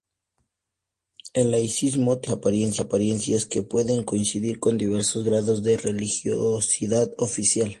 El laicismo tiene varias apariencias que pueden coincidir con diversos grados de religiosidad oficial.